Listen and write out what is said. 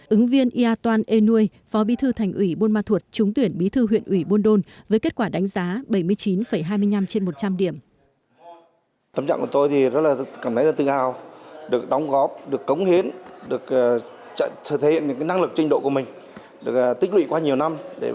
ứng viên ia toan e nui phó bí thư thành ủy buôn ma thuột trúng tuyển bí thư huyện ủy buôn đôn với kết quả đánh giá bảy mươi chín hai mươi năm trên một trăm linh điểm